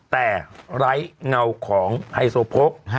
แต่ไร้เงาของไฮโซโพก